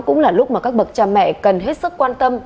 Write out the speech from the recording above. cũng là lúc mà các bậc cha mẹ cần hết sức quan tâm